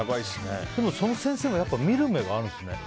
でもその先生は見る目があるんですね。